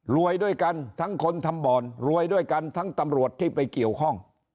ด้วยกันทั้งคนทำบ่อนรวยด้วยกันทั้งตำรวจที่ไปเกี่ยวข้อง